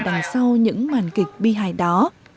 đằng sau những màn kịch bi hài đó